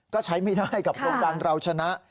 ก็ใช้ไม่ได้กับโครงการเราชนะ